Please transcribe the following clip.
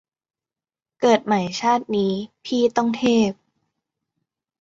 เกิดใหม่ชาตินี้ พี่ต้องเทพ